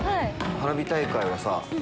花火大会はさ